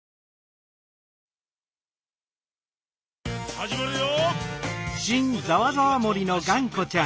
「はじまるよ！」